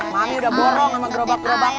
mami udah borong sama gerobak gerobak